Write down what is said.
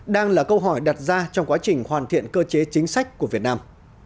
đang là câu hỏi đặt ra trong quá trình hoàn thiện cơ chế chính sách của việt nam